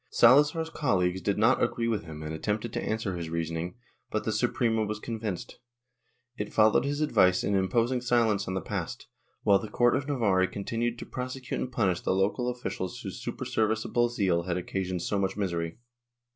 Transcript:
Salazar's colleagues did not agree with him and attempted to answer his reasoning, but the Suprema was convinced. It followed his advice in imposing silence on the past, while the Court of Navarre continued to prosecute and punish the local officials whose superserviceable zeal had occasioned so much misery.